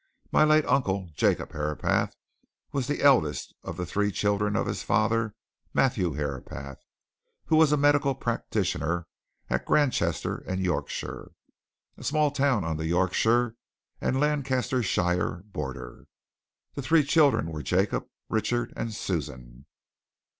My late uncle, Jacob Herapath, was the eldest of the three children of his father, Matthew Herapath, who was a medical practitioner at Granchester in Yorkshire a small town on the Yorkshire and Lancashire border. The three children were Jacob, Richard, and Susan.